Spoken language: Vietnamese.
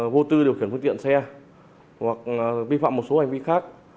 vô tư điều khiển phương tiện xe hoặc vi phạm một số hành vi khác